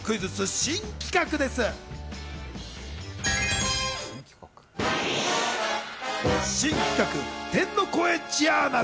新企画天の声ジャーナル。